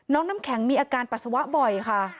น้ำแข็งมีอาการปัสสาวะบ่อยค่ะ